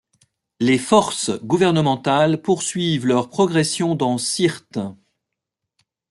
Les forces gouvernementales poursuivent leur progression dans Syrte.